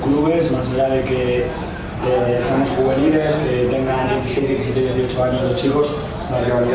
ya pertandingan ada pertandingan ada